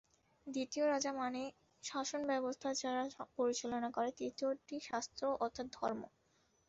দ্বিতীয় রাজা, মানে শাসনব্যবস্থা যারা পরিচালনা করে, তৃতীয়টি শাস্ত্র অর্থাৎ ধর্ম।